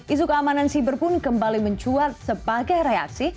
isu keamanan siber pun kembali mencuat sebagai reaksi